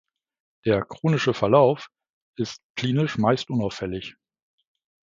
Der "chronische Verlauf" ist klinisch meist unauffällig.